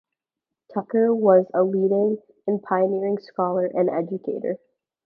Tucker was a leading and pioneering scholar and educator.